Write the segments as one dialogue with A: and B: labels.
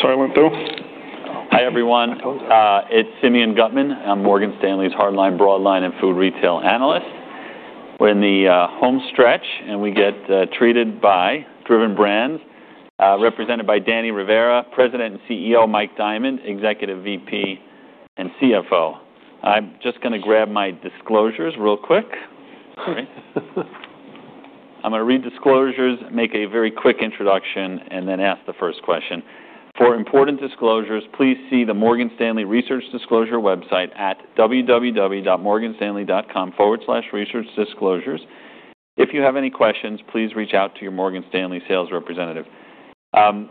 A: Sorry, I went through.
B: Hi, everyone. It's Simeon Gutman. I'm Morgan Stanley's hardline, broadline, and food retail analyst. We're in the home stretch, and we get treated by Driven Brands, represented by Danny Rivera, President and CEO Mike Diamond, Executive VP and CFO. I'm just going to grab my disclosures real quick. I'm going to read disclosures, make a very quick introduction, and then ask the first question. For important disclosures, please see the Morgan Stanley Research Disclosure website at www.morganstanley.com/researchdisclosures. If you have any questions, please reach out to your Morgan Stanley sales representative. I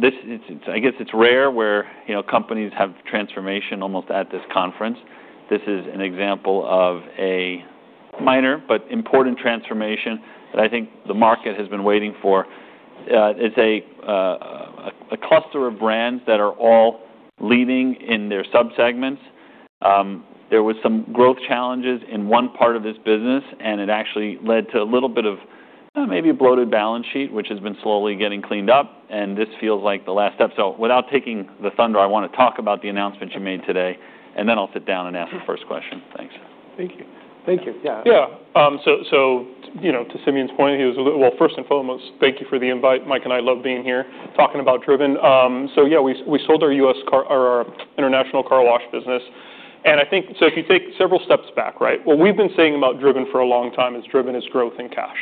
B: guess it's rare where companies have transformation almost at this conference. This is an example of a minor but important transformation that I think the market has been waiting for. It's a cluster of brands that are all leading in their subsegments. There were some growth challenges in one part of this business, and it actually led to a little bit of maybe a bloated balance sheet, which has been slowly getting cleaned up, and this feels like the last step, so without taking the thunder, I want to talk about the announcement you made today, and then I'll sit down and ask the first question. Thanks.
A: Thank you. Thank you. Yeah. Yeah. So to Simeon's point, he was a little, well, first and foremost, thank you for the invite. Mike and I love being here talking about Driven. So yeah, we sold our U.S. car wash or our international car wash business. And I think, so if you take several steps back, right, what we've been saying about Driven for a long time is Driven is growth and cash.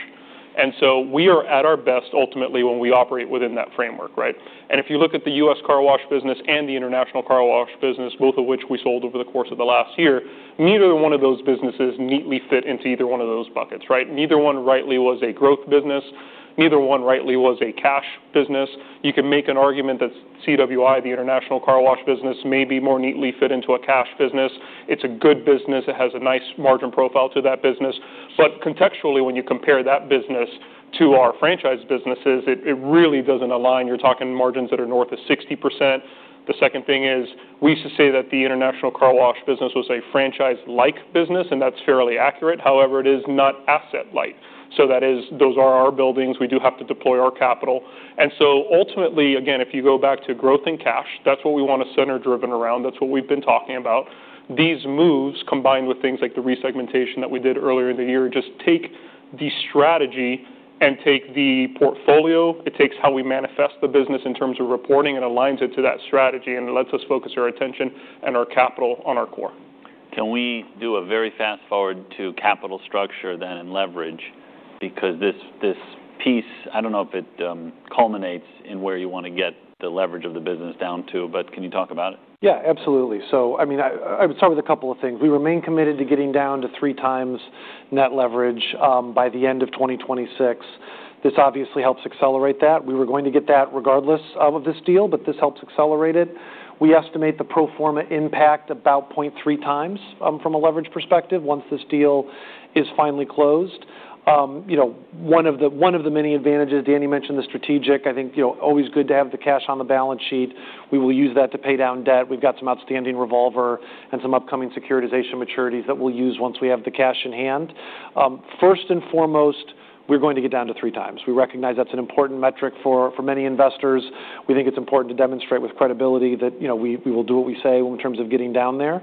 A: And so we are at our best ultimately when we operate within that framework, right? And if you look at the U.S. car wash business and the international car wash business, both of which we sold over the course of the last year, neither one of those businesses neatly fit into either one of those buckets, right? Neither one rightly was a growth business. Neither one rightly was a cash business. You can make an argument that CWI, the international car wash business, maybe more neatly fit into a cash business. It's a good business. It has a nice margin profile to that business. But contextually, when you compare that business to our franchise businesses, it really doesn't align. You're talking margins that are north of 60%. The second thing is we used to say that the international car wash business was a franchise-like business, and that's fairly accurate. However, it is not asset-like. So that is, those are our buildings. We do have to deploy our capital. And so ultimately, again, if you go back to growth and cash, that's what we want to center Driven around. That's what we've been talking about. These moves, combined with things like the resegmentation that we did earlier in the year, just take the strategy and take the portfolio. It takes how we manifest the business in terms of reporting and aligns it to that strategy and lets us focus our attention and our capital on our core.
B: Can we do a very fast forward to capital structure then and leverage? Because this piece, I don't know if it culminates in where you want to get the leverage of the business down to, but can you talk about it?
A: Yeah, absolutely. So I mean, I would start with a couple of things. We remain committed to getting down to three times net leverage by the end of 2026. This obviously helps accelerate that. We were going to get that regardless of this deal, but this helps accelerate it. We estimate the pro forma impact about 0.3 times from a leverage perspective once this deal is finally closed. One of the many advantages. Danny mentioned the strategic. I think always good to have the cash on the balance sheet. We will use that to pay down debt. We've got some outstanding revolver and some upcoming securitization maturities that we'll use once we have the cash in hand. First and foremost, we're going to get down to three times. We recognize that's an important metric for many investors. We think it's important to demonstrate with credibility that we will do what we say in terms of getting down there.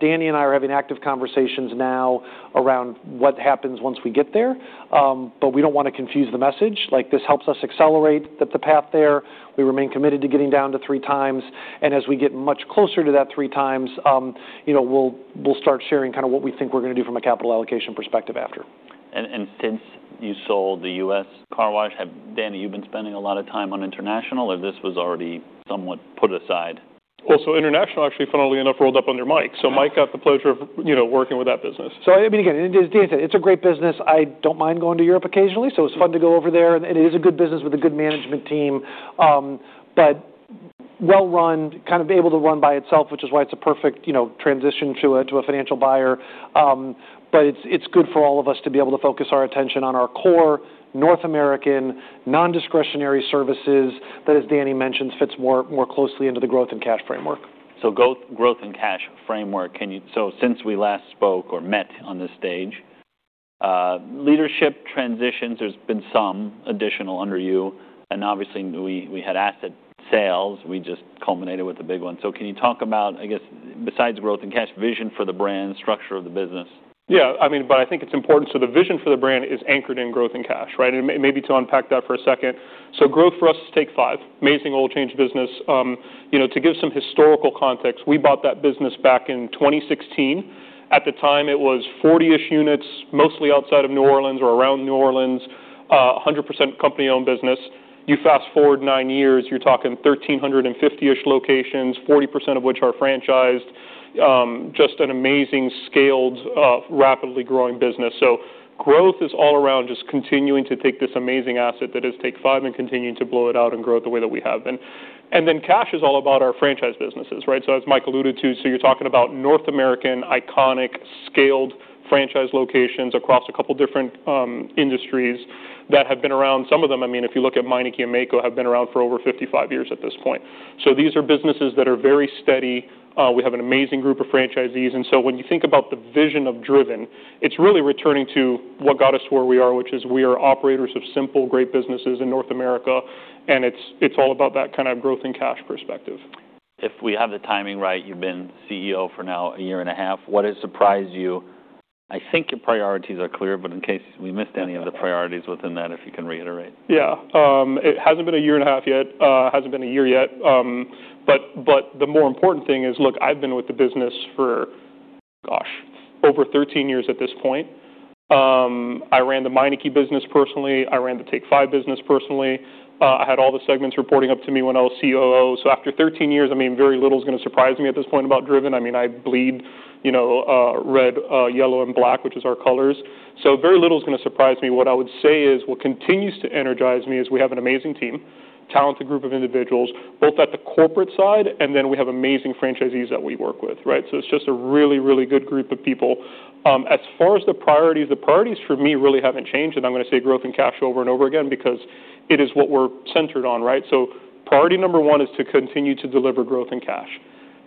A: Danny and I are having active conversations now around what happens once we get there, but we don't want to confuse the message. This helps us accelerate the path there. We remain committed to getting down to three times, and as we get much closer to that three times, we'll start sharing kind of what we think we're going to do from a capital allocation perspective after.
B: Since you sold the U.S. car wash, have you, Danny, been spending a lot of time on international, or was this already somewhat put aside?
A: Well, so international actually, funnily enough, rolled up under Mike. So Mike got the pleasure of working with that business.
C: So I mean, again, as Danny said, it's a great business. I don't mind going to Europe occasionally. So it's fun to go over there. And it is a good business with a good management team, but well-run, kind of able to run by itself, which is why it's a perfect transition to a financial buyer. But it's good for all of us to be able to focus our attention on our core North American non-discretionary services that, as Danny mentioned, fits more closely into the growth and cash framework.
B: So, growth and cash framework. So since we last spoke or met on this stage, leadership transitions, there's been some additional under you. And obviously, we had asset sales. We just culminated with a big one. So can you talk about, I guess, besides growth and cash, vision for the brand, structure of the business?
A: Yeah. I mean, but I think it's important, so the vision for the brand is anchored in growth and cash, right? And maybe to unpack that for a second, so growth for us is Take 5, amazing oil change business. To give some historical context, we bought that business back in 2016. At the time, it was 40-ish units, mostly outside of New Orleans or around New Orleans, 100% company-owned business. You fast forward nine years, you're talking 1,350-ish locations, 40% of which are franchised. Just an amazing scaled, rapidly growing business, so growth is all around just continuing to take this amazing asset that is Take 5 and continuing to blow it out and grow it the way that we have, and then cash is all about our franchise businesses, right? So as Mike alluded to, so you're talking about North American iconic scaled franchise locations across a couple of different industries that have been around. Some of them, I mean, if you look at Meineke and Maaco, have been around for over 55 years at this point. So these are businesses that are very steady. We have an amazing group of franchisees. And so when you think about the vision of Driven, it's really returning to what got us to where we are, which is we are operators of simple, great businesses in North America. And it's all about that kind of growth and cash perspective.
B: If we have the timing right, you've been CEO for now a year and a half. What has surprised you? I think your priorities are clear, but in case we missed any of the priorities within that, if you can reiterate.
A: Yeah. It hasn't been a year and a half yet. It hasn't been a year yet. But the more important thing is, look, I've been with the business for, gosh, over 13 years at this point. I ran the Meineke business personally. I ran the Take 5 business personally. I had all the segments reporting up to me when I was COO. So after 13 years, I mean, very little is going to surprise me at this point about Driven. I mean, I bleed red, yellow, and black, which is our colors. So very little is going to surprise me. What I would say is what continues to energize me is we have an amazing team, talented group of individuals, both at the corporate side, and then we have amazing franchisees that we work with, right? So it's just a really, really good group of people. As far as the priorities, the priorities for me really haven't changed, and I'm going to say growth and cash over and over again because it is what we're centered on, right, so priority number one is to continue to deliver growth and cash.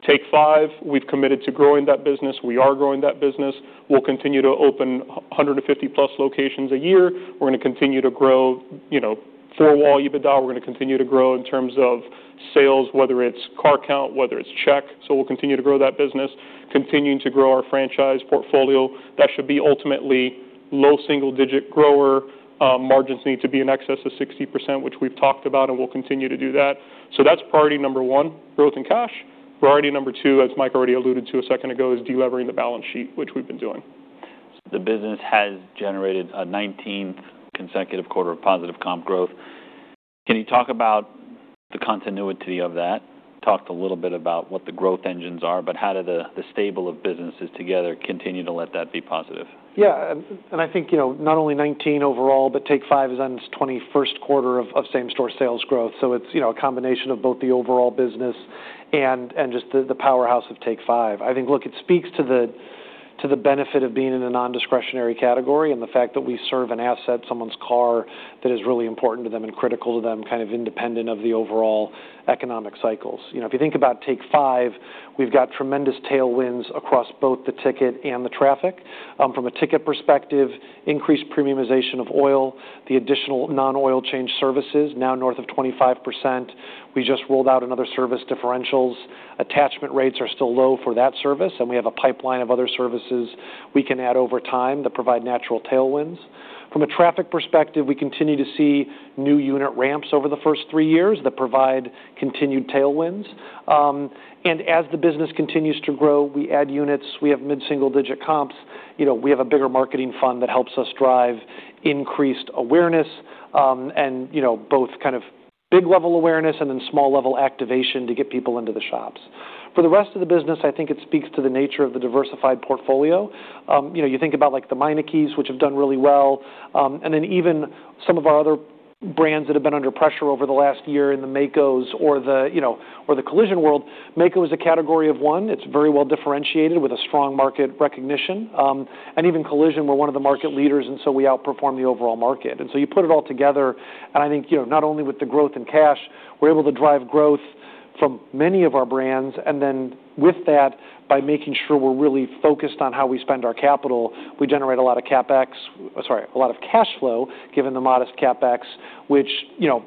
A: Take 5, we've committed to growing that business. We are growing that business. We'll continue to open 150-plus locations a year. We're going to continue to grow Four-Wall EBITDA. We're going to continue to grow in terms of sales, whether it's car count, whether it's check. So we'll continue to grow that business, continuing to grow our franchise portfolio. That should be ultimately low single-digit grower. Margins need to be in excess of 60%, which we've talked about, and we'll continue to do that. So that's priority number one, growth and cash. Priority number two, as Mike already alluded to a second ago, is delivering the balance sheet, which we've been doing.
B: The business has generated a 19th consecutive quarter of positive comp growth. Can you talk about the continuity of that? Talked a little bit about what the growth engines are, but how do the stable of businesses together continue to let that be positive?
A: Yeah, and I think not only 19 overall, but Take 5 is on its 21st quarter of same-store sales growth. So it's a combination of both the overall business and just the powerhouse of Take 5. I think, look, it speaks to the benefit of being in a non-discretionary category and the fact that we serve an asset, someone's car, that is really important to them and critical to them, kind of independent of the overall economic cycles. If you think about Take 5, we've got tremendous tailwinds across both the ticket and the traffic. From a ticket perspective, increased premiumization of oil, the additional non-oil change services, now north of 25%. We just rolled out another service, differentials. Attachment rates are still low for that service, and we have a pipeline of other services we can add over time that provide natural tailwinds. From a traffic perspective, we continue to see new unit ramps over the first three years that provide continued tailwinds. And as the business continues to grow, we add units. We have mid-single-digit comps. We have a bigger marketing fund that helps us drive increased awareness and both kind of big-level awareness and then small-level activation to get people into the shops. For the rest of the business, I think it speaks to the nature of the diversified portfolio. You think about the Meinekes, which have done really well, and then even some of our other brands that have been under pressure over the last year in the Maacos or the collision world. Maaco is a category of one. It's very well differentiated with a strong market recognition. And even collision, we're one of the market leaders, and so we outperform the overall market. And so you put it all together, and I think not only with the growth and cash, we're able to drive growth from many of our brands. And then with that, by making sure we're really focused on how we spend our capital, we generate a lot of CapEx, sorry, a lot of cash flow given the modest CapEx, which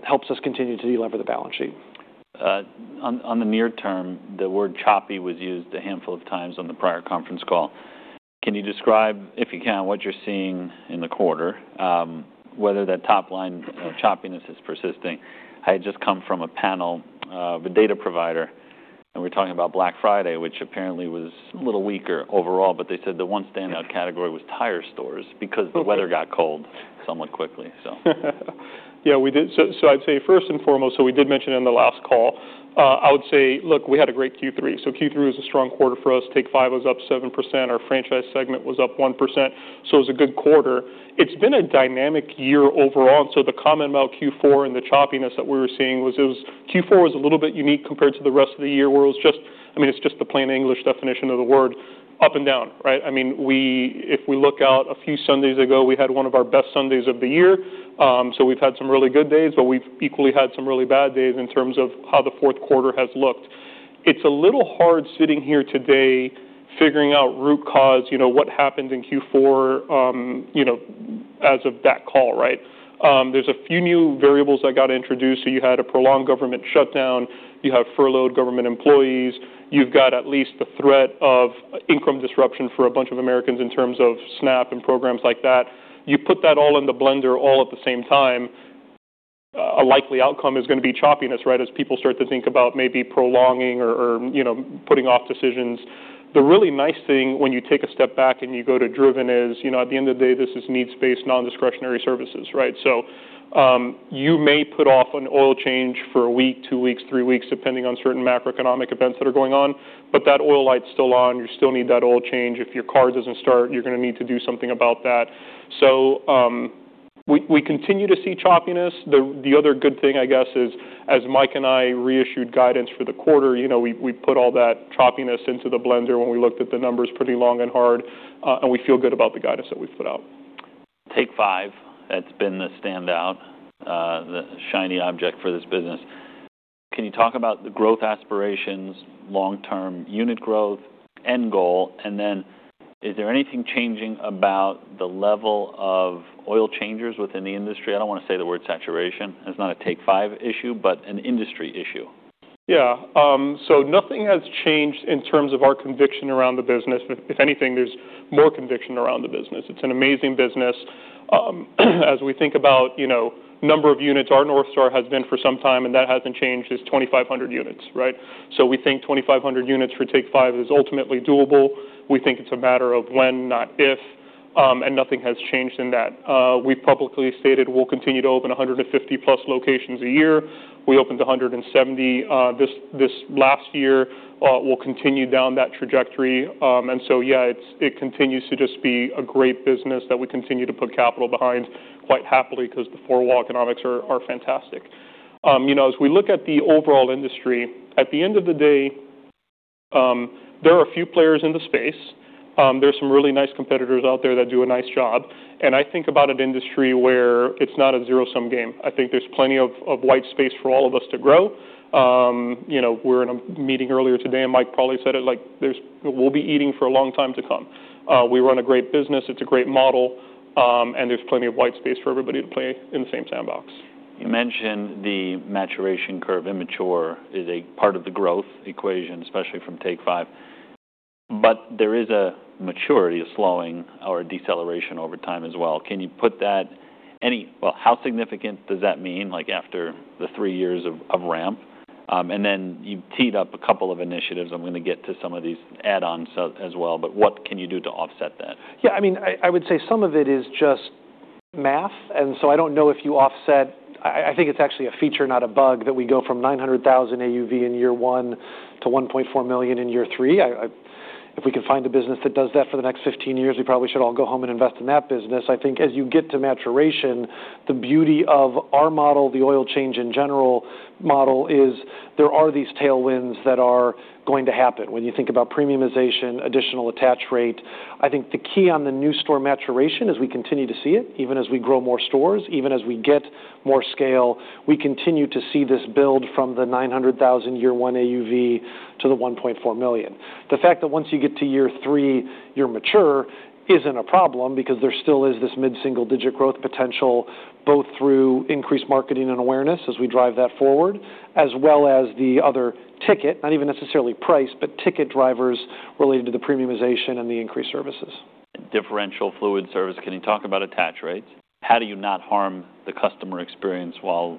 A: helps us continue to deliver the balance sheet.
B: On the near term, the word choppy was used a handful of times on the prior conference call. Can you describe, if you can, what you're seeing in the quarter, whether that top line choppiness is persisting? I had just come from a panel of a data provider, and we're talking about Black Friday, which apparently was a little weaker overall, but they said the one standout category was tire stores because the weather got cold somewhat quickly, so.
A: Yeah, we did. So I'd say first and foremost, so we did mention it in the last call. I would say, look, we had a great Q3. So Q3 was a strong quarter for us. Take 5 was up 7%. Our franchise segment was up 1%. So it was a good quarter. It's been a dynamic year overall, and so the comment about Q4 and the choppiness that we were seeing was Q4 was a little bit unique compared to the rest of the year where it was just, I mean, it's just the plain English definition of the word, up and down, right? I mean, if we look out a few Sundays ago, we had one of our best Sundays of the year. So we've had some really good days, but we've equally had some really bad days in terms of how the fourth quarter has looked. It's a little hard sitting here today figuring out root cause, what happened in Q4 as of that call, right? There's a few new variables that got introduced. So you had a prolonged government shutdown. You have furloughed government employees. You've got at least the threat of income disruption for a bunch of Americans in terms of SNAP and programs like that. You put that all in the blender all at the same time, a likely outcome is going to be choppiness, right, as people start to think about maybe prolonging or putting off decisions. The really nice thing when you take a step back and you go to Driven is, at the end of the day, this is needs-based non-discretionary services, right? So you may put off an oil change for a week, two weeks, three weeks, depending on certain macroeconomic events that are going on, but that oil light's still on. You still need that oil change. If your car doesn't start, you're going to need to do something about that. So we continue to see choppiness. The other good thing, I guess, is as Mike and I reissued guidance for the quarter, we put all that choppiness into the blender when we looked at the numbers pretty long and hard, and we feel good about the guidance that we've put out.
B: Take 5. That's been the standout, the shiny object for this business. Can you talk about the growth aspirations, long-term unit growth, end goal, and then is there anything changing about the level of oil changers within the industry? I don't want to say the word saturation. That's not a Take 5 issue, but an industry issue.
A: Yeah. So nothing has changed in terms of our conviction around the business. If anything, there's more conviction around the business. It's an amazing business. As we think about number of units, our North Star has been for some time, and that hasn't changed is 2,500 units, right? So we think 2,500 units for Take 5 is ultimately doable. We think it's a matter of when, not if, and nothing has changed in that. We've publicly stated we'll continue to open 150+ locations a year. We opened 170 this last year. We'll continue down that trajectory. And so, yeah, it continues to just be a great business that we continue to put capital behind quite happily because the four-wall economics are fantastic. As we look at the overall industry, at the end of the day, there are a few players in the space. There are some really nice competitors out there that do a nice job, and I think about an industry where it's not a zero-sum game. I think there's plenty of white space for all of us to grow. We were in a meeting earlier today, and Mike probably said it, like, we'll be eating for a long time to come. We run a great business. It's a great model, and there's plenty of white space for everybody to play in the same sandbox.
B: You mentioned the maturation curve. Immature is a part of the growth equation, especially from Take 5, but there is a maturity of slowing or deceleration over time as well. Can you put that? Well, how significant does that mean after the three years of ramp? And then you teed up a couple of initiatives. I'm going to get to some of these add-ons as well, but what can you do to offset that?
A: Yeah. I mean, I would say some of it is just math. And so I don't know if you offset. I think it's actually a feature, not a bug, that we go from $900,000 AUV in year one to $1.4 million in year three. If we can find a business that does that for the next 15 years, we probably should all go home and invest in that business. I think as you get to maturation, the beauty of our model, the oil change in general model is there are these tailwinds that are going to happen. When you think about premiumization, additional attach rate, I think the key on the new store maturation is we continue to see it, even as we grow more stores, even as we get more scale, we continue to see this build from the $900,000 year one AUV to the $1.4 million. The fact that once you get to year three, you're mature isn't a problem because there still is this mid-single-digit growth potential both through increased marketing and awareness as we drive that forward, as well as the other ticket, not even necessarily price, but ticket drivers related to the premiumization and the increased services.
B: Differentials fluid service. Can you talk about attach rates? How do you not harm the customer experience while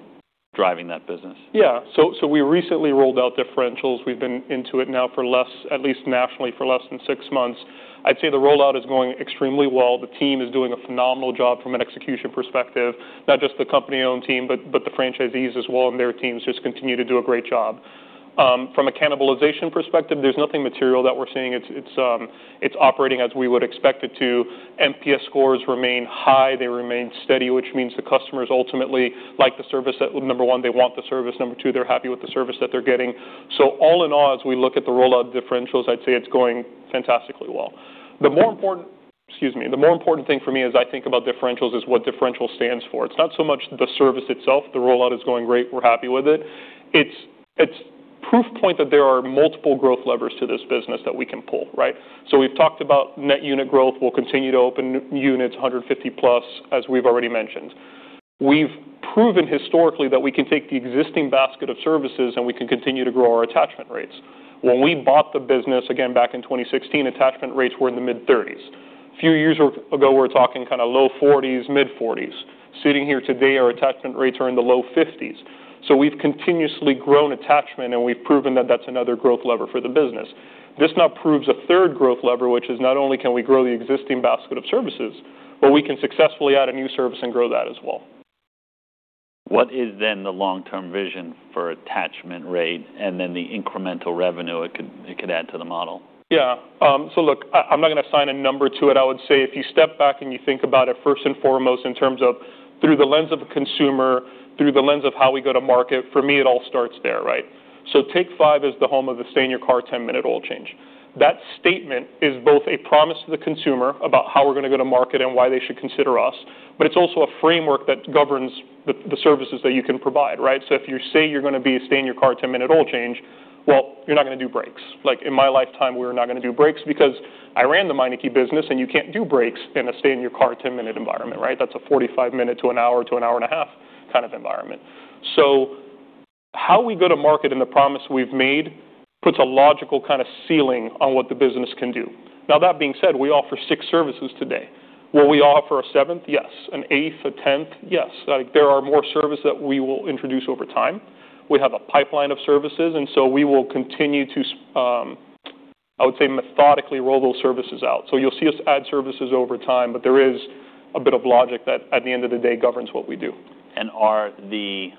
B: driving that business?
A: Yeah. So we recently rolled out differentials. We've been into it now for less, at least nationally, for less than six months. I'd say the rollout is going extremely well. The team is doing a phenomenal job from an execution perspective, not just the company-owned team, but the franchisees as well and their teams just continue to do a great job. From a cannibalization perspective, there's nothing material that we're seeing. It's operating as we would expect it to. NPS scores remain high. They remain steady, which means the customers ultimately like the service. Number one, they want the service. Number two, they're happy with the service that they're getting. So all in all, as we look at the rollout of differentials, I'd say it's going fantastically well. The more important thing for me as I think about differentials is what differential stands for. It's not so much the service itself. The rollout is going great. We're happy with it. It's proof point that there are multiple growth levers to this business that we can pull, right? So we've talked about net unit growth. We'll continue to open units, 150+, as we've already mentioned. We've proven historically that we can take the existing basket of services and we can continue to grow our attachment rates. When we bought the business, again, back in 2016, attachment rates were in the mid-30s. A few years ago, we were talking kind of low 40s, mid-40s. Sitting here today, our attachment rates are in the low 50s. So we've continuously grown attachment, and we've proven that that's another growth lever for the business. This now proves a third growth lever, which is not only can we grow the existing basket of services, but we can successfully add a new service and grow that as well.
B: What is then the long-term vision for attachment rate and then the incremental revenue it could add to the model?
A: Yeah. So look, I'm not going to assign a number to it. I would say if you step back and you think about it first and foremost in terms of through the lens of a consumer, through the lens of how we go to market, for me, it all starts there, right? So Take 5 is the home of the stay-in-your-car 10-minute oil change. That statement is both a promise to the consumer about how we're going to go to market and why they should consider us, but it's also a framework that governs the services that you can provide, right? So if you say you're going to be a stay-in-your-car 10-minute oil change, well, you're not going to do brakes. In my lifetime, we were not going to do brakes because I ran the Meineke business, and you can't do brakes in a stay-in-your-car 10-minute environment, right? That's a 45-minute to an hour to an hour and a half kind of environment. So how we go to market and the promise we've made puts a logical kind of ceiling on what the business can do. Now, that being said, we offer six services today. Will we offer a seventh? Yes. An eighth, a tenth? Yes. There are more services that we will introduce over time. We have a pipeline of services, and so we will continue to, I would say, methodically roll those services out. So you'll see us add services over time, but there is a bit of logic that at the end of the day governs what we do.
B: Are the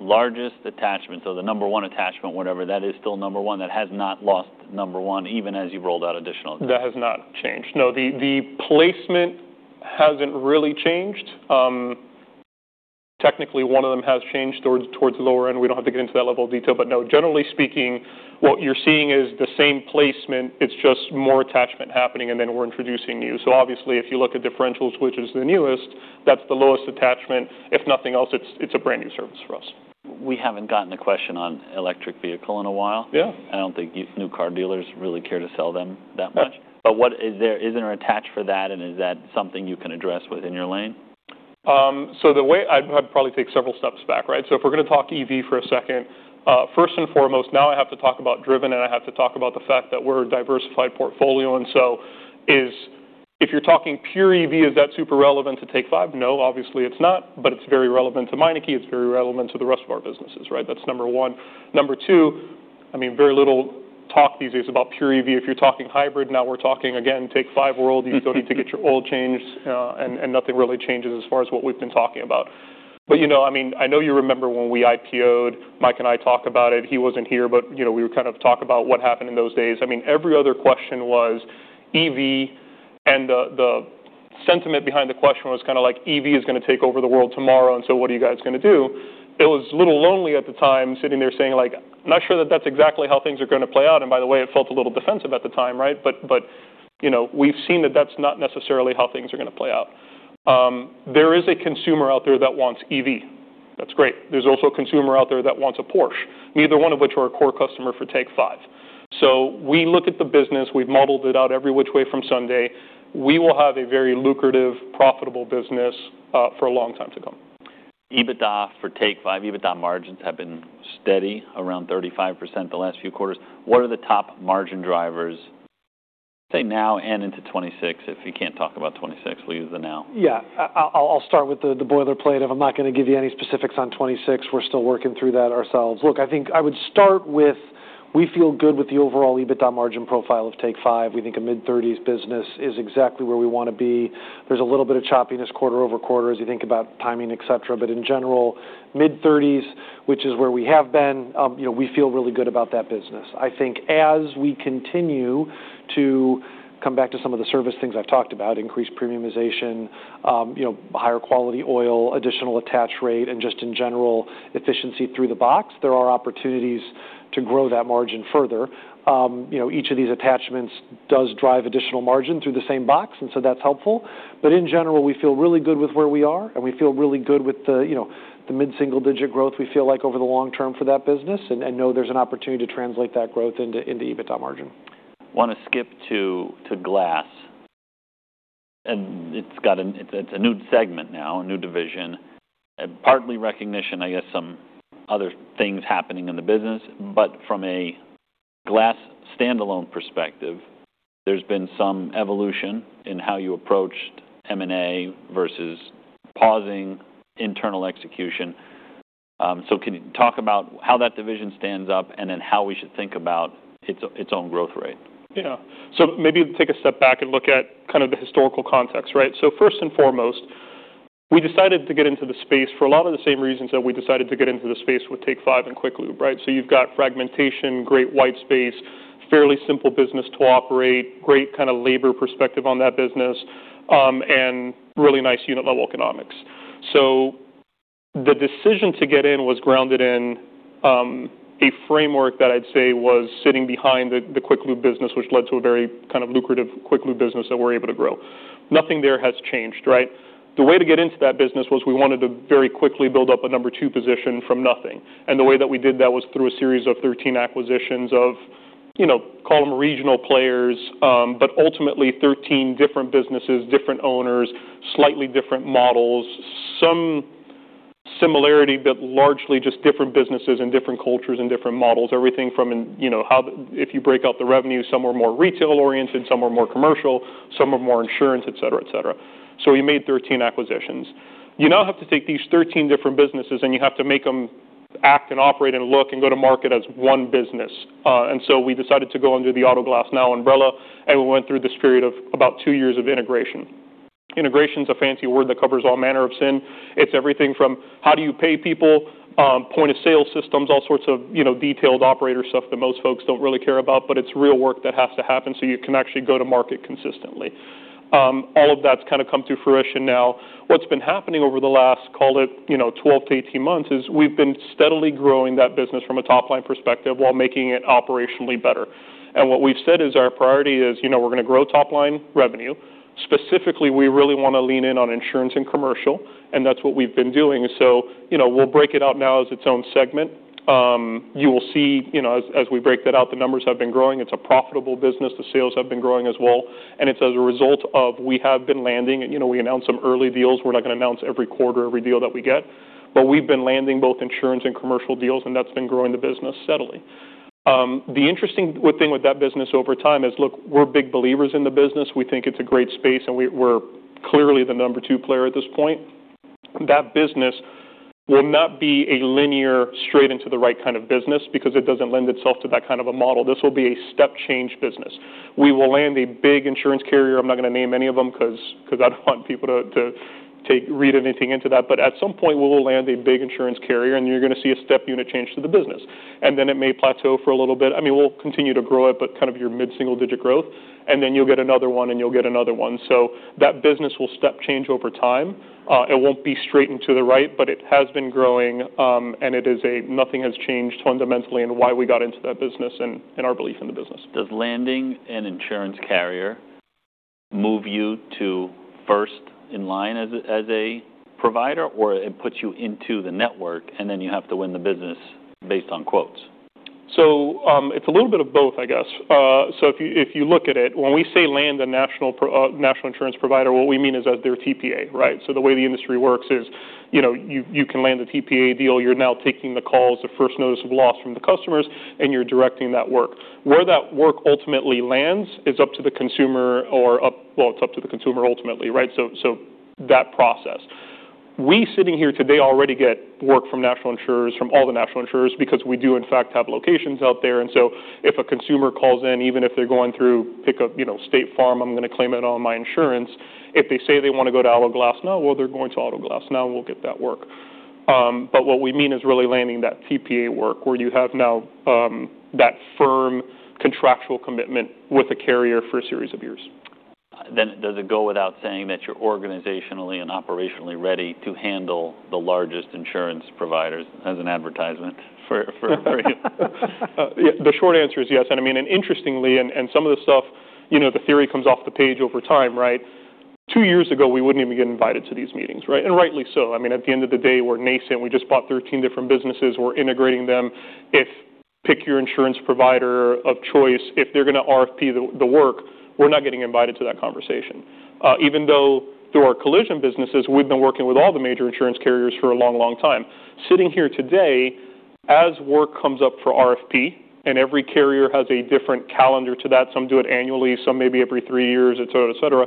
B: largest attachments, or the number one attachment, whatever, that is still number one, that has not lost number one, even as you've rolled out additional?
A: That has not changed. No, the placement hasn't really changed. Technically, one of them has changed towards the lower end. We don't have to get into that level of detail, but no, generally speaking, what you're seeing is the same placement. It's just more attachment happening, and then we're introducing new. So obviously, if you look at differentials, which is the newest, that's the lowest attachment. If nothing else, it's a brand new service for us.
B: We haven't gotten a question on electric vehicle in a while. I don't think new car dealers really care to sell them that much. But is there an attach for that, and is that something you can address within your lane?
A: So I'd probably take several steps back, right? So if we're going to talk EV for a second, first and foremost, now I have to talk about Driven, and I have to talk about the fact that we're a diversified portfolio. And so if you're talking pure EV, is that super relevant to Take 5? No, obviously it's not, but it's very relevant to Meineke. It's very relevant to the rest of our businesses, right? That's number one. Number two, I mean, very little talk these days about pure EV. If you're talking hybrid, now we're talking, again, Take 5 world. You still need to get your oil changed, and nothing really changes as far as what we've been talking about. But I mean, I know you remember when we IPO'd, Mike and I talked about it. He wasn't here, but we would kind of talk about what happened in those days. I mean, every other question was EV, and the sentiment behind the question was kind of like, "EV is going to take over the world tomorrow, and so what are you guys going to do?" It was a little lonely at the time, sitting there saying like, "Not sure that that's exactly how things are going to play out." And by the way, it felt a little defensive at the time, right? But we've seen that that's not necessarily how things are going to play out. There is a consumer out there that wants EV. That's great. There's also a consumer out there that wants a Porsche, neither one of which are a core customer for Take 5. So we look at the business. We've modeled it out every which way from Sunday. We will have a very lucrative, profitable business for a long time to come.
B: EBITDA for Take 5, EBITDA margins have been steady around 35% the last few quarters. What are the top margin drivers? Say now and into 2026. If you can't talk about 2026, we'll use the now.
A: Yeah. I'll start with the boilerplate. I'm not going to give you any specifics on 2026. We're still working through that ourselves. Look, I think I would start with we feel good with the overall EBITDA margin profile of Take 5. We think a mid-30s% business is exactly where we want to be. There's a little bit of choppiness quarter over quarter as you think about timing, etc. But in general, mid-30s%, which is where we have been, we feel really good about that business. I think as we continue to come back to some of the service things I've talked about, increased premiumization, higher quality oil, additional attach rate, and just in general, efficiency through the box, there are opportunities to grow that margin further. Each of these attachments does drive additional margin through the same box, and so that's helpful. But in general, we feel really good with where we are, and we feel really good with the mid-single-digit growth we feel like over the long term for that business and know there's an opportunity to translate that growth into EBITDA margin.
B: Want to skip to glass. And it's a new segment now, a new division, partly recognition, I guess, some other things happening in the business. But from a glass standalone perspective, there's been some evolution in how you approached M&A versus pausing internal execution. So can you talk about how that division stands up and then how we should think about its own growth rate?
A: Yeah. So maybe take a step back and look at kind of the historical context, right? So first and foremost, we decided to get into the space for a lot of the same reasons that we decided to get into the space with Take 5 and quick lube, right? So you've got fragmentation, great white space, fairly simple business to operate, great kind of labor perspective on that business, and really nice unit-level economics. So the decision to get in was grounded in a framework that I'd say was sitting behind the quick lube business, which led to a very kind of lucrative quick lube business that we're able to grow. Nothing there has changed, right? The way to get into that business was we wanted to very quickly build up a number two position from nothing. And the way that we did that was through a series of 13 acquisitions of, call them regional players, but ultimately 13 different businesses, different owners, slightly different models, some similarity, but largely just different businesses and different cultures and different models, everything from if you break out the revenue, some were more retail-oriented, some were more commercial, some were more insurance, etc., etc. So we made 13 acquisitions. You now have to take these 13 different businesses, and you have to make them act and operate and look and go to market as one business. And so we decided to go under the Autoglass Now umbrella, and we went through this period of about two years of integration. Integration is a fancy word that covers all manner of sin. It's everything from how do you pay people, point-of-sale systems, all sorts of detailed operator stuff that most folks don't really care about, but it's real work that has to happen so you can actually go to market consistently. All of that's kind of come to fruition now. What's been happening over the last, call it 12-18 months, is we've been steadily growing that business from a top-line perspective while making it operationally better, and what we've said is our priority is we're going to grow top-line revenue. Specifically, we really want to lean in on insurance and commercial, and that's what we've been doing, so we'll break it out now as its own segment. You will see as we break that out, the numbers have been growing. It's a profitable business. The sales have been growing as well. And it's as a result of we have been landing. We announced some early deals. We're not going to announce every quarter every deal that we get, but we've been landing both insurance and commercial deals, and that's been growing the business steadily. The interesting thing with that business over time is, look, we're big believers in the business. We think it's a great space, and we're clearly the number two player at this point. That business will not be a linear straight into the right kind of business because it doesn't lend itself to that kind of a model. This will be a step-change business. We will land a big insurance carrier. I'm not going to name any of them because I don't want people to read anything into that. But at some point, we will land a big insurance carrier, and you're going to see a step-function change to the business. And then it may plateau for a little bit. I mean, we'll continue to grow it, but kind of your mid-single-digit growth, and then you'll get another one, and you'll get another one. So that business will step-change over time. It won't be straight line to the right, but it has been growing, and it is. Nothing has changed fundamentally in why we got into that business and our belief in the business.
B: Does landing an insurance carrier move you to first in line as a provider, or it puts you into the network, and then you have to win the business based on quotes?
A: So it's a little bit of both, I guess. So if you look at it, when we say land a national insurance provider, what we mean is as their TPA, right? So the way the industry works is you can land the TPA deal. You're now taking the calls, the first notice of loss from the customers, and you're directing that work. Where that work ultimately lands is up to the consumer or, well, it's up to the consumer ultimately, right? So that process. We're sitting here today already get work from national insurers, from all the national insurers because we do, in fact, have locations out there. And so if a consumer calls in, even if they're going through pickup, State Farm, I'm going to claim it on my insurance. If they say they want to go to Autoglass Now, well, they're going to Autoglass Now. We'll get that work, but what we mean is really landing that TPA work where you have now that firm contractual commitment with a carrier for a series of years.
B: Does it go without saying that you're organizationally and operationally ready to handle the largest insurance providers as an advertisement for you?
A: The short answer is yes. And I mean, interestingly, and some of the stuff, the theory comes off the page over time, right? Two years ago, we wouldn't even get invited to these meetings, right? And rightly so. I mean, at the end of the day, we're nascent. We just bought 13 different businesses. We're integrating them. Pick your insurance provider of choice, if they're going to RFP the work, we're not getting invited to that conversation. Even though through our collision businesses, we've been working with all the major insurance carriers for a long, long time. Sitting here today, as work comes up for RFP, and every carrier has a different calendar to that, some do it annually, some maybe every three years, etc., etc.,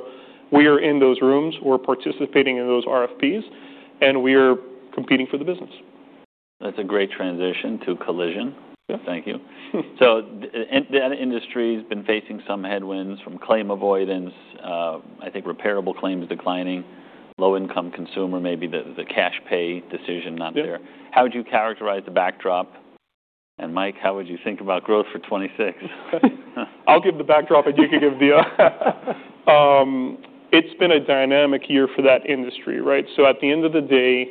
A: we are in those rooms. We're participating in those RFPs, and we are competing for the business.
B: That's a great transition to collision. Thank you. So that industry has been facing some headwinds from claim avoidance, I think, repairable claims declining, low-income consumer, maybe the cash pay decision not there. How would you characterize the backdrop? And Mike, how would you think about growth for 2026?
A: I'll give the backdrop, and you can give the other. It's been a dynamic year for that industry, right? So at the end of the day,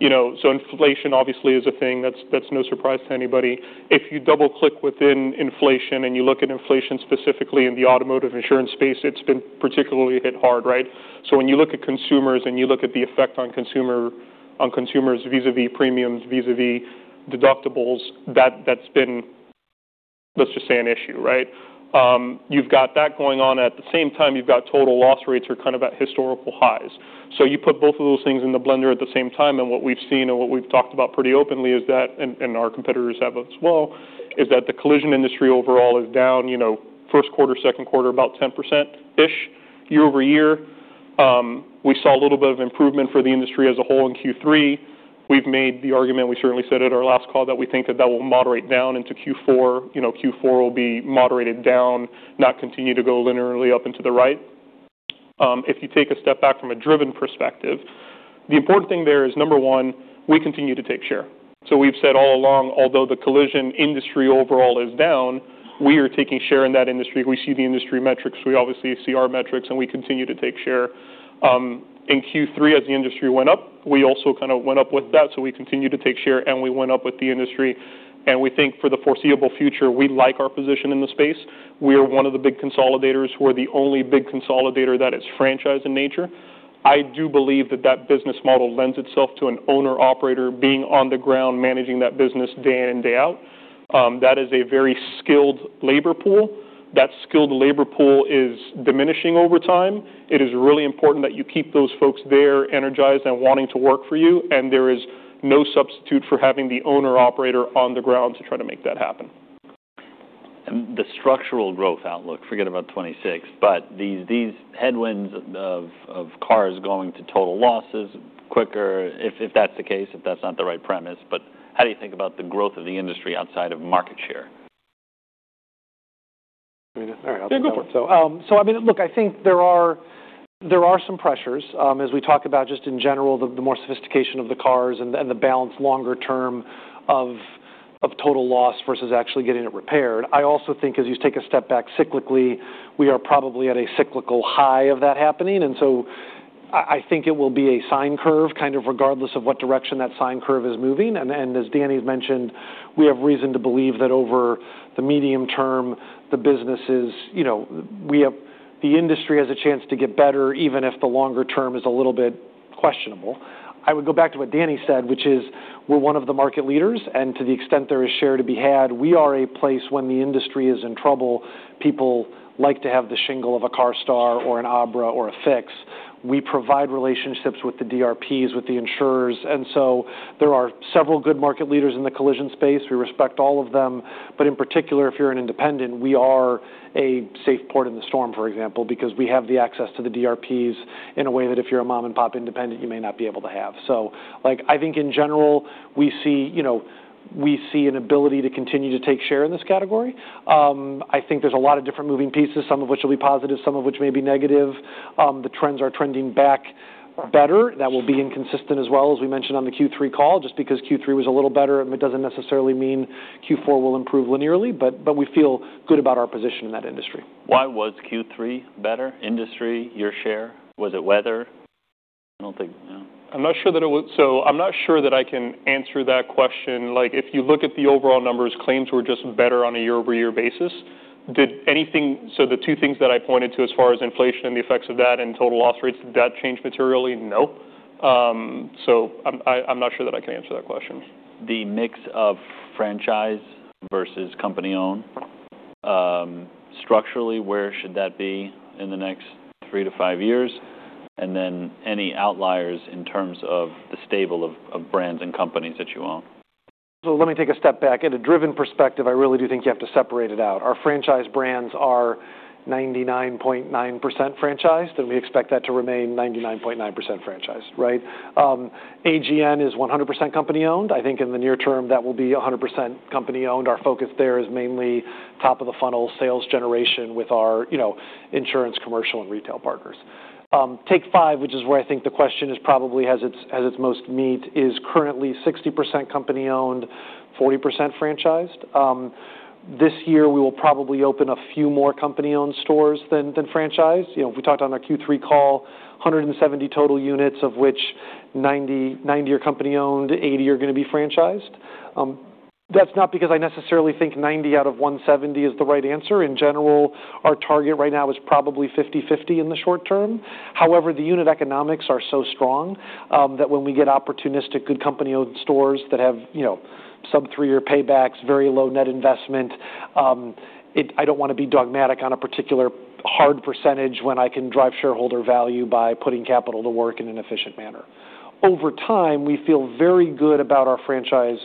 A: so inflation obviously is a thing. That's no surprise to anybody. If you double-click within inflation and you look at inflation specifically in the automotive insurance space, it's been particularly hit hard, right? So when you look at consumers and you look at the effect on consumers vis-à-vis premiums, vis-à-vis deductibles, that's been, let's just say, an issue, right? You've got that going on. At the same time, you've got total loss rates are kind of at historical highs. So you put both of those things in the blender at the same time. What we've seen and what we've talked about pretty openly is that, and our competitors have as well, is that the collision industry overall is down first quarter, second quarter, about 10%-ish year over year. We saw a little bit of improvement for the industry as a whole in Q3. We've made the argument. We certainly said at our last call that we think that that will moderate down into Q4. Q4 will be moderated down, not continue to go linearly up into the right. If you take a step back from a Driven perspective, the important thing there is, number one, we continue to take share. So we've said all along, although the collision industry overall is down, we are taking share in that industry. We see the industry metrics. We obviously see our metrics, and we continue to take share. In Q3, as the industry went up, we also kind of went up with that, so we continue to take share, and we went up with the industry, and we think for the foreseeable future, we like our position in the space. We are one of the big consolidators. We're the only big consolidator that is franchise in nature. I do believe that that business model lends itself to an owner-operator being on the ground, managing that business day in and day out. That is a very skilled labor pool. That skilled labor pool is diminishing over time. It is really important that you keep those folks there, energized and wanting to work for you, and there is no substitute for having the owner-operator on the ground to try to make that happen.
B: And the structural growth outlook, forget about 2026, but these headwinds of cars going to total losses quicker, if that's the case, if that's not the right premise. But how do you think about the growth of the industry outside of market share?
C: Very good. So I mean, look, I think there are some pressures as we talk about just in general, the more sophistication of the cars and the balance longer term of total loss versus actually getting it repaired. I also think as you take a step back cyclically, we are probably at a cyclical high of that happening. And so I think it will be a sine curve kind of regardless of what direction that sine curve is moving. And as Danny's mentioned, we have reason to believe that over the medium term, the businesses, the industry has a chance to get better even if the longer term is a little bit questionable. I would go back to what Danny said, which is we're one of the market leaders. And to the extent there is share to be had, we are a place when the industry is in trouble. People like to have the shingle of a CARSTAR or an ABRA or a Fix. We provide relationships with the DRPs, with the insurers. And so there are several good market leaders in the collision space. We respect all of them. But in particular, if you're an independent, we are a safe port in the storm, for example, because we have the access to the DRPs in a way that if you're a mom-and-pop independent, you may not be able to have. So I think in general, we see an ability to continue to take share in this category. I think there's a lot of different moving pieces, some of which will be positive, some of which may be negative. The trends are trending back better. That will be inconsistent as well, as we mentioned on the Q3 call. Just because Q3 was a little better, it doesn't necessarily mean Q4 will improve linearly, but we feel good about our position in that industry.
B: Why was Q3 better? Industry, your share? Was it weather? I don't think, yeah.
A: I'm not sure that it was, so I'm not sure that I can answer that question. If you look at the overall numbers, claims were just better on a year-over-year basis. So the two things that I pointed to as far as inflation and the effects of that and total loss rates, did that change materially? No, so I'm not sure that I can answer that question.
B: The mix of franchise versus company-owned, structurally, where should that be in the next three to five years? And then any outliers in terms of the stable of brands and companies that you own?
C: So let me take a step back. In a Driven perspective, I really do think you have to separate it out. Our franchise brands are 99.9% franchised, and we expect that to remain 99.9% franchised, right? AGN is 100% company-owned. I think in the near term, that will be 100% company-owned. Our focus there is mainly top of the funnel sales generation with our insurance, commercial, and retail partners. Take Five, which is where I think the question probably has its most meat, is currently 60% company-owned, 40% franchised. This year, we will probably open a few more company-owned stores than franchised. We talked on our Q3 call, 170 total units, of which 90 are company-owned, 80 are going to be franchised. That's not because I necessarily think 90 out of 170 is the right answer. In general, our target right now is probably 50-50 in the short term. However, the unit economics are so strong that when we get opportunistic good company-owned stores that have sub-three-year paybacks, very low net investment, I don't want to be dogmatic on a particular hard percentage when I can drive shareholder value by putting capital to work in an efficient manner. Over time, we feel very good about our franchise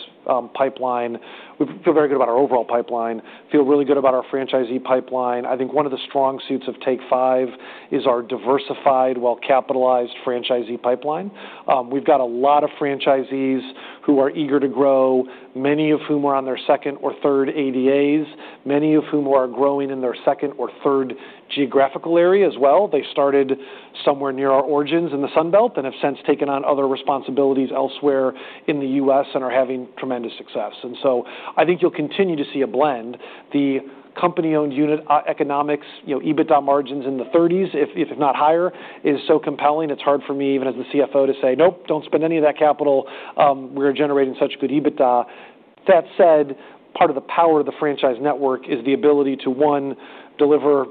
C: pipeline. We feel very good about our overall pipeline. We feel really good about our franchisee pipeline. I think one of the strong suits of Take 5 is our diversified, well-capitalized franchisee pipeline. We've got a lot of franchisees who are eager to grow, many of whom are on their second or third ADAs, many of whom are growing in their second or third geographical area as well. They started somewhere near our origins in the Sunbelt and have since taken on other responsibilities elsewhere in the U.S. and are having tremendous success, and so I think you'll continue to see a blend. The company-owned unit economics, EBITDA margins in the 30s, if not higher, is so compelling. It's hard for me, even as the CFO, to say, "Nope, don't spend any of that capital. We're generating such good EBITDA." That said, part of the power of the franchise network is the ability to, one, deliver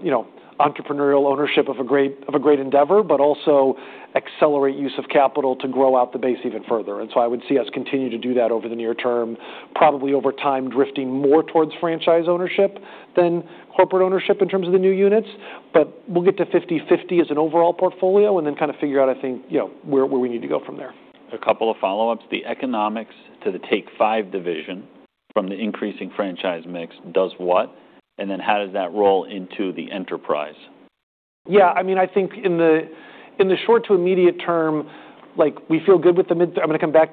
C: entrepreneurial ownership of a great endeavor, but also accelerate use of capital to grow out the base even further, and so I would see us continue to do that over the near term, probably over time drifting more towards franchise ownership than corporate ownership in terms of the new units. But we'll get to 50-50 as an overall portfolio and then kind of figure out, I think, where we need to go from there.
B: A couple of follow-ups. The economics to the Take 5 division from the increasing franchise mix does what? And then how does that roll into the enterprise?
A: Yeah. I mean, I think in the short to immediate term, we feel good with the mid-30s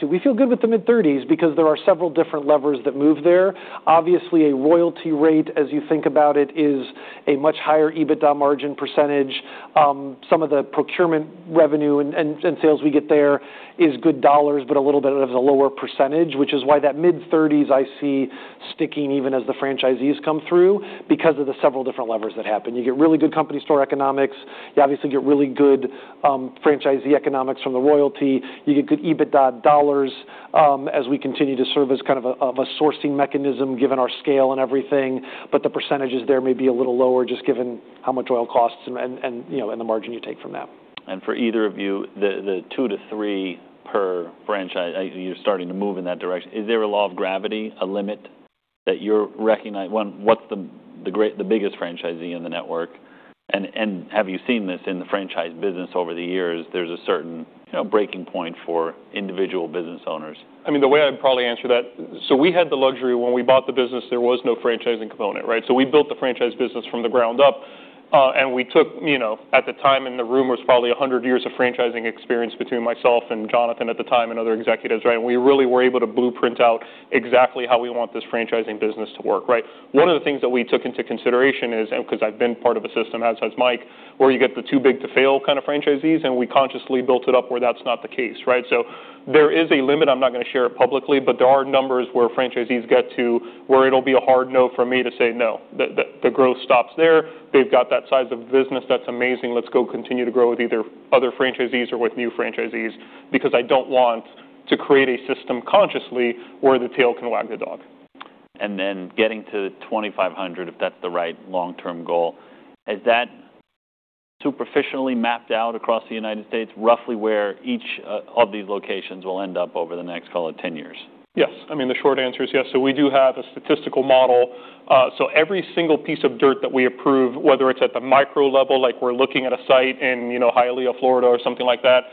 A: because there are several different levers that move there. Obviously, a royalty rate, as you think about it, is a much higher EBITDA margin percentage. Some of the procurement revenue and sales we get there is good dollars, but a little bit of the lower percentage, which is why that mid-30s I see sticking even as the franchisees come through because of the several different levers that happen. You get really good company store economics. You obviously get really good franchisee economics from the royalty. You get good EBITDA dollars as we continue to serve as kind of a sourcing mechanism given our scale and everything. But the percentages there may be a little lower just given how much oil costs and the margin you take from that.
B: And for either of you, the two to three per franchise, you're starting to move in that direction. Is there a law of gravity, a limit that you're recognizing? What's the biggest franchisee in the network? And have you seen this in the franchise business over the years? There's a certain breaking point for individual business owners.
A: I mean, the way I'd probably answer that, so we had the luxury when we bought the business, there was no franchising component, right? So we built the franchise business from the ground up, and we took, at the time, and the room was probably 100 years of franchising experience between myself and Jonathan at the time and other executives, right?, and we really were able to blueprint out exactly how we want this franchising business to work, right? One of the things that we took into consideration is, and because I've been part of a system as has Mike, where you get the too big to fail kind of franchisees, and we consciously built it up where that's not the case, right?, so there is a limit. I'm not going to share it publicly, but there are numbers where franchisees get to where it'll be a hard no for me to say, "No, the growth stops there. They've got that size of business. That's amazing. Let's go continue to grow with either other franchisees or with new franchisees because I don't want to create a system consciously where the tail can wag the dog.
B: And then getting to 2,500, if that's the right long-term goal, is that superficially mapped out across the United States, roughly where each of these locations will end up over the next, call it, 10 years?
A: Yes. I mean, the short answer is yes. So we do have a statistical model. So every single piece of dirt that we approve, whether it's at the micro level, like we're looking at a site in Hialeah, Florida, or something like that,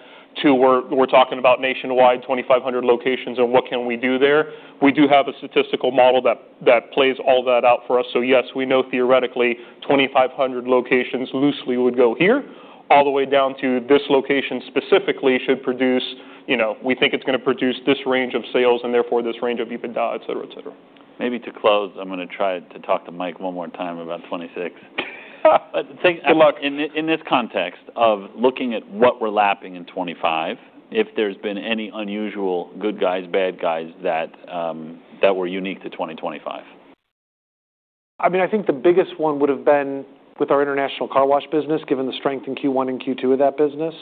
A: to where we're talking about nationwide 2,500 locations and what can we do there, we do have a statistical model that plays all that out for us. So yes, we know theoretically 2,500 locations loosely would go here, all the way down to this location specifically should produce, we think it's going to produce this range of sales and therefore this range of EBITDA, etc., etc.
B: Maybe to close, I'm going to try to talk to Mike one more time about 26.
A: Good luck.
B: In this context of looking at what we're lapping in 25, if there's been any unusual good guys, bad guys that were unique to 2025?
C: I mean, I think the biggest one would have been with our international car wash business, given the strength in Q1 and Q2 of that business,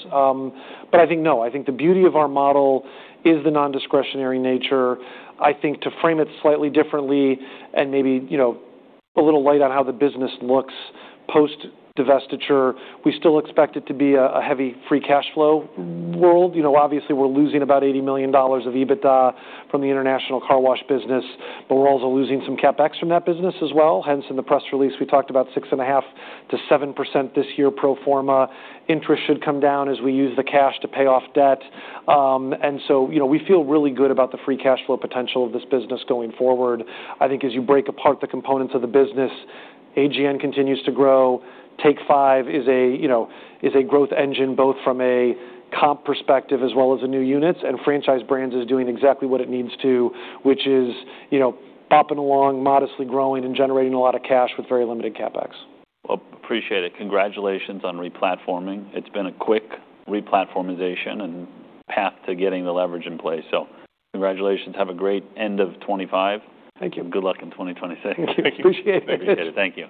C: but I think, no, I think the beauty of our model is the non-discretionary nature. I think to frame it slightly differently and maybe a little light on how the business looks post-divestiture, we still expect it to be a heavy free cash flow world. Obviously, we're losing about $80 million of EBITDA from the international car wash business, but we're also losing some CapEx from that business as well. Hence, in the press release, we talked about 6.5%-7% this year pro forma. Interest should come down as we use the cash to pay off debt, and so we feel really good about the free cash flow potential of this business going forward. I think as you break apart the components of the business, AGN continues to grow. Take Five is a growth engine both from a comp perspective as well as the new units, and franchise brands is doing exactly what it needs to, which is popping along, modestly growing, and generating a lot of cash with very limited CapEx.
B: Appreciate it. Congratulations on replatforming. It's been a quick replatformization and path to getting the leverage in place. Congratulations. Have a great end of 2025.
A: Thank you.
B: Good luck in 2026.
A: Thank you. Appreciate it.
B: Appreciate it. Thank you.